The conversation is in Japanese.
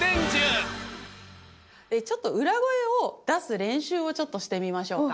ちょっと裏声を出す練習をちょっとしてみましょうか。